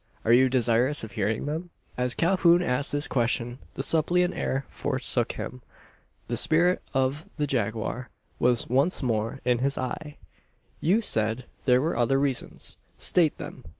Are you desirous of hearing them?" As Calhoun asked this question the suppliant air forsook him. The spirit of the jaguar was once more in his eye. "You said there were other reasons. State them!